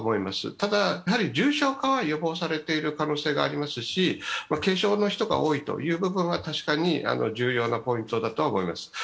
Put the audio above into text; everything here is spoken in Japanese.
ただ重症化は予防されている可能性がありますし、軽症の人が多いという部分は確かに重要なポイントだとは思います。